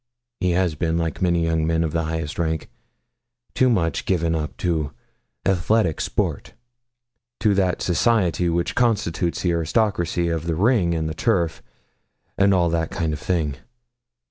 He has been, like many young men of the highest rank, too much given up to athletic sports to that society which constitutes the aristocracy of the ring and the turf, and all that kind of thing.